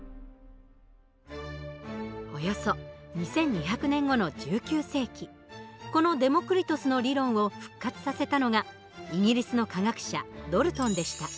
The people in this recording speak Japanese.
およそ２，２００年後の１９世紀このデモクリトスの理論を復活させたのがイギリスの科学者ドルトンでした。